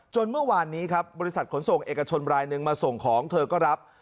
เมื่อวานนี้ครับบริษัทขนส่งเอกชนรายหนึ่งมาส่งของเธอก็รับ